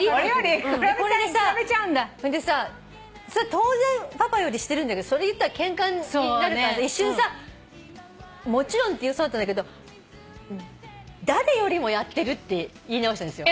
当然パパよりしてるんだけどそれ言ったらケンカになるから一瞬さもちろんって言いそうだったけど誰よりもやってるって言い直したんですよ。